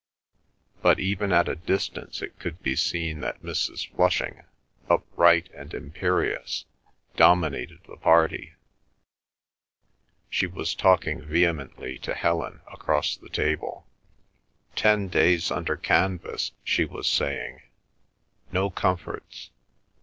But even at a distance it could be seen that Mrs. Flushing, upright and imperious, dominated the party. She was talking vehemently to Helen across the table. "Ten days under canvas," she was saying. "No comforts.